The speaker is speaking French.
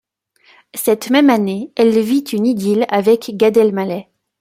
Cette même année, elle vit une idylle avec Gad Elmaleh.